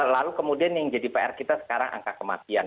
lalu kemudian yang jadi pr kita sekarang angka kematian